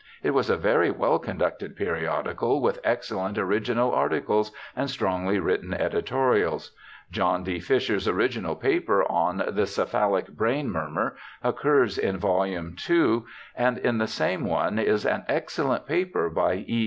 It was a very well conducted periodical, with excellent original articles and strongly written editorials. John D. Fisher's original paper on The Cephalic Brain Murmur occurs ELISHA BARTLETT 129 in volume ii, and in the same one is an excellent paper by E.